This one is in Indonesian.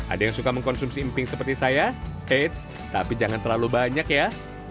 ada yang suka mengkonsumsi emping seperti saya eits tapi jangan terlalu banyak ya